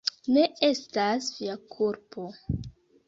Ne estas via kulpo.